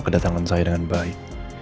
kedatangan saya dengan baik